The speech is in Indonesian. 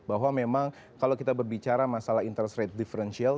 bahwa memang kalau kita berbicara masalah interest rate differential